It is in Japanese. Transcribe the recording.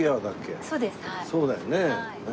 そうだよね。